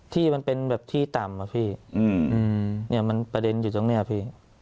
ที่มันเป็นแบบที่ต่ำอะพี่เนี่ยมันประเด็นอยู่ตรงนี้พี่